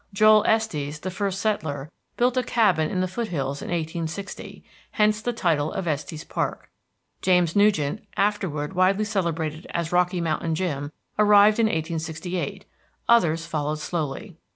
Joel Estes, the first settler, built a cabin in the foothills in 1860, hence the title of Estes Park. James Nugent, afterward widely celebrated as "Rocky Mountain Jim," arrived in 1868. Others followed slowly.